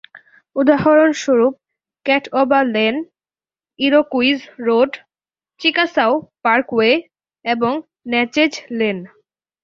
উদাহরণস্বরূপ, Catawba lane, Iroquois road, Chickasaw Parkway এবং Natchez lane.